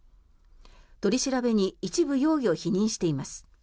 取り調べに一部容疑を否認しています。